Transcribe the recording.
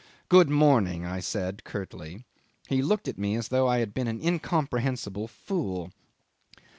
"Good morning," I said curtly. He looked at me as though I had been an incomprehensible fool.